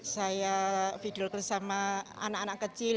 saya video call sama anak anak kecil